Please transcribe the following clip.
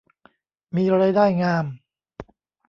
มีรายได้งาม